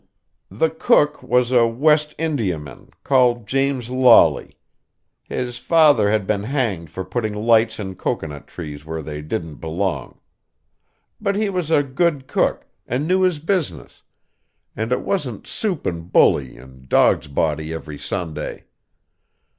The cook was a West Indiaman, called James Lawley; his father had been hanged for putting lights in cocoanut trees where they didn't belong. But he was a good cook, and knew his business; and it wasn't soup and bully and dog's body every Sunday.